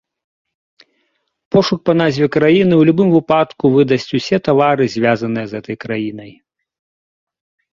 Пошук па назве краіны ў любым выпадку выдасць усе тавары, звязаныя з гэтай краінай.